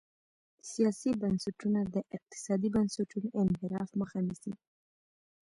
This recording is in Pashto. سیاسي بنسټونه د اقتصادي بنسټونو انحراف مخه نیسي.